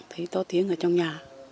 thấy to tiếng ở trong nhà